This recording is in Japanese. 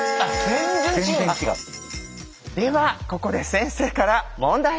ではここで先生から問題です。